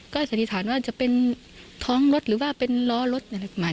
ก็สันนิษฐานว่าจะเป็นท้องรถหรือว่าเป็นล้อรถใหม่